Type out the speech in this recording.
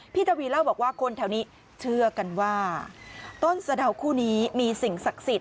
ทวีเล่าบอกว่าคนแถวนี้เชื่อกันว่าต้นสะดาวคู่นี้มีสิ่งศักดิ์สิทธิ